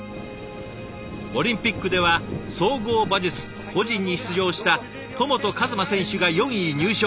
オリンピックでは総合馬術個人に出場した戸本一真選手が４位入賞。